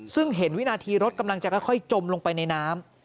ซึ่งเห็นวินาทีรถกำลังจะค่อยจมลงไปในน้ำ